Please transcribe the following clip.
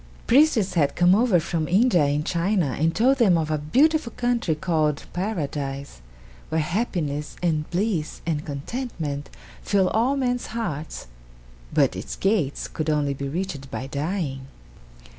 Priests had come over from India and China and told them of a beautiful country called Paradise, where happiness and bliss and contentment fill all men's hearts, but its gates could only be reached by dying.